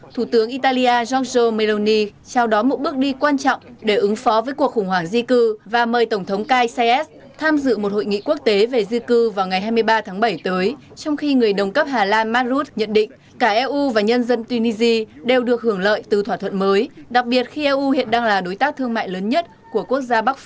thủ tướng italia giorgio meloni trao đó một bước đi quan trọng để ứng phó với cuộc khủng hoảng di cư và mời tổng thống kaisers tham dự một hội nghị quốc tế về di cư vào ngày hai mươi ba tháng bảy tới trong khi người đồng cấp hà lan marut nhận định cả eu và nhân dân tunisia đều được hưởng lợi từ thỏa thuận mới đặc biệt khi eu hiện đang là đối tác với trung quốc